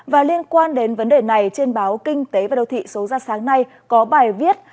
và liên quan đến vấn đề này trên báo kinh tế và đầu thị số ra sáng nay có bài viết